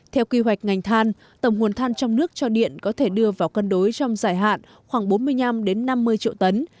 theo kế hoạch ngành than tổng nguồn than trong nước cho điện có thể đưa vào cân đối trong dài hạn khoảng bốn mươi năm năm mươi triệu tấn